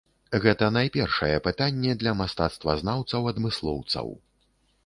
Гэта найпершае пытанне для мастацтвазнаўцаў-адмыслоўцаў.